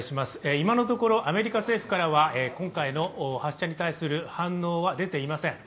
今のところアメリカ政府からは今回の発射に対する反応は出ていません。